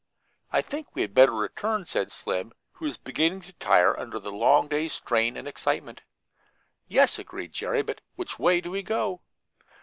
"I think we had better return," said Slim, who was beginning to tire under the long day's strain and excitement. "Yes," agreed Jerry, "but which way do we go?"